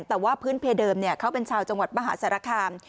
แต่ว่าพื้นเพเดิมเขาเป็นชาวจังหวัดมหาสารคาม